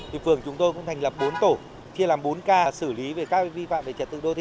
thì phường chúng tôi cũng thành lập bốn tổ chia làm bốn ca xử lý về các vi phạm về trật tự đô thị